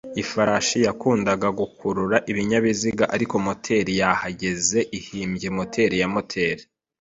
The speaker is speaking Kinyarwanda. Ifarashi yakundaga gukurura ibinyabiziga, ariko moteri yahageze ihimbye moteri ya moteri.